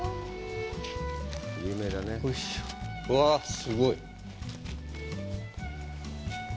うわあ、すごい。